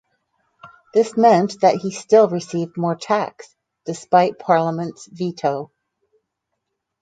This meant that he still received more tax, despite Parliament's veto.